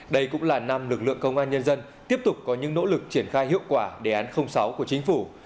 đây cũng là năm lực lượng công an nhân dân tiếp tục có những nỗ lực triển khai hiệu quả đề án sáu của chính phủ